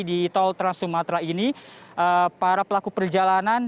di tol trans sumatera ini para pelaku perjalanan